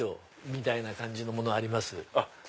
みたいな感じのものあります？